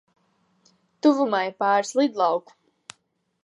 Tuvumā ir pāris lidlauku.